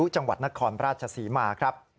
จังหวัดนครราชศรีมาครับ